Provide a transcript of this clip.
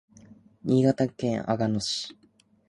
新潟県阿賀野市